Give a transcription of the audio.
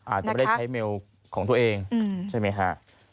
อาจจะไม่ได้ใช้เมลของตัวเองใช่ไหมฮะ